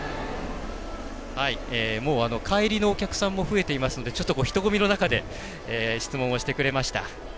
もう帰りのお客さんも増えていますので人混みの中で質問をしてくれました。